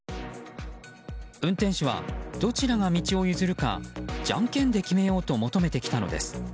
運転手はどちらが道を譲るかじゃんけんで決めようと求めてきたのです。